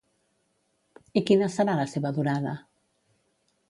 I quina serà la seva durada?